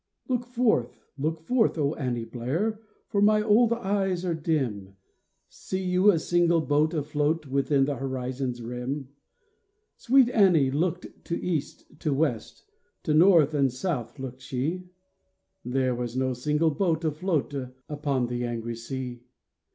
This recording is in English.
" Look forth, look forth, O Annie Blair, For my old eyes are dim ; See you a single boat afloat Within the horizon's rim ?" Sweet Annie looked to east, to west, To north and south looked she : There was no single boat afloat Upon the angry sea.